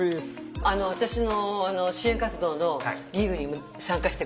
私の支援活動のギグに参加して下さって。